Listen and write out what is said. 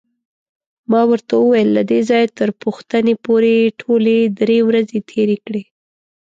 ما ورته وویل: له دې ځایه تر پوښتنې پورې ټولې درې ورځې تېرې کړې.